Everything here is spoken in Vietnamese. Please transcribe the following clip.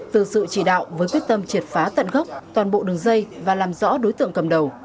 từ sự chỉ đạo với quyết tâm triệt phá tận gốc toàn bộ đường dây và làm rõ đối tượng cầm đầu